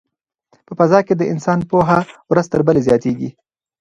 په فضا کې د انسان پوهه ورځ تر بلې زیاتیږي.